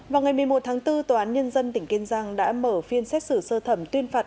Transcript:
vào ngày một mươi một tháng bốn tòa án nhân dân tỉnh kiên giang đã mở phiên xét xử sơ thẩm tuyên phạt